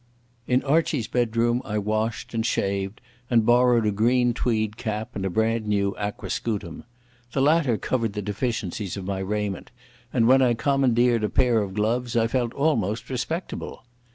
In Archie's bedroom I washed and shaved and borrowed a green tweed cap and a brand new aquascutum. The latter covered the deficiencies of my raiment, and when I commandeered a pair of gloves I felt almost respectable.